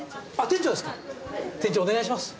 店長お願いします。